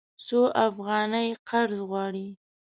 څو افغانۍ قرض غواړې؟